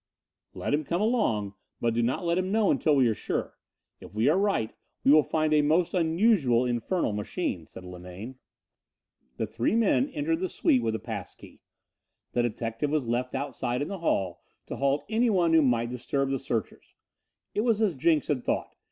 "Let him come along, but do not let him know until we are sure. If we are right we will find a most unusual infernal machine," said Linane. The three men entered the suite with a pass key. The detective was left outside in the hall to halt anyone who might disturb the searchers. It was as Jenks had thought.